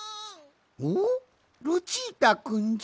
おっルチータくんじゃ！